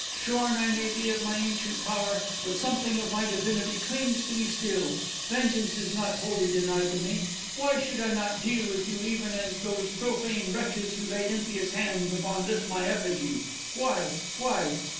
Shorn I may be of my ancient power, but something of my divinity clings to me still. Vengeance is not wholly denied to me! Why should I not deal with you even as with those profane wretches who laid impious hands upon this my effigy? Why? why?"